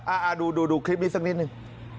ดูดูคลิปนี้สักนิดนึง